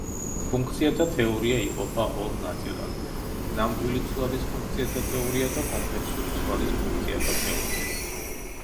ფუნქციათა თეორია იყოფა ორ ნაწილად: ნამდვილი ცვლადის ფუნქციათა თეორია და კომპლექსური ცვლადის ფუნქციათა თეორია.